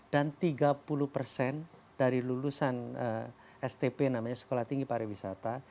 dan tiga puluh persen dari lulusan stp namanya sekolah tinggi pariwisata